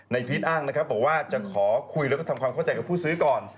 ในพีทอ้างเป็นว่าจะขอคุยเดี๋ยวจะทำความเข้าใจกับผู้ซื้อก่อน